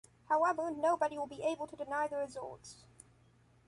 However, nobody will be able to deny the results.